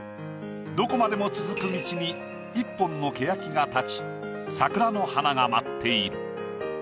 どこまでも続く道に１本の欅が立ち桜の花が舞っている。